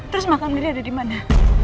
terus makam ini ada dimana